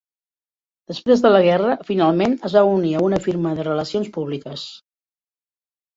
Després de la guerra, finalment es va unir a una firma de relacions públiques.